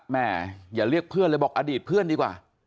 แม่อย่าเรียกเพื่อนเลยบอกอดีตเพื่อนดีกว่า